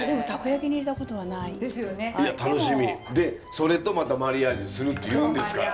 それとまたマリアージュするっていうんですから。